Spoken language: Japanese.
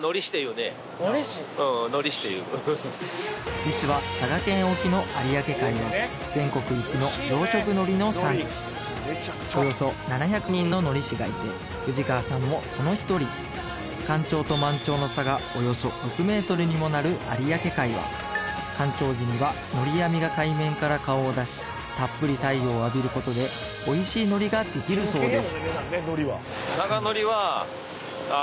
実は佐賀県沖の有明海は全国一の養殖海苔の産地およそ７００人の海苔師がいて藤川さんもその一人干潮と満潮の差がおよそ６ｍにもなる有明海は干潮時には海苔網が海面から顔を出したっぷり太陽を浴びることでおいしい海苔ができるそうです